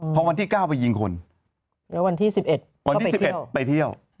พอวันที่๙ไปยิงคนแล้ววันที่๑๑ไปเที่ยว